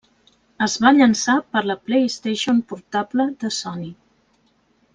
Es va llançar per la PlayStation Portable de Sony.